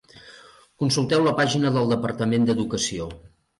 Consulteu la pàgina del Departament d'Educació.